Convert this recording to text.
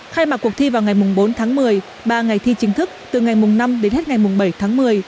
khai mạc cuộc thi vào ngày bốn tháng một mươi ba ngày thi chính thức từ ngày năm đến hết ngày bảy tháng một mươi